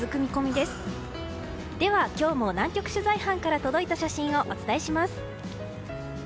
では、今日も南極取材班から届いた写真をお伝えします。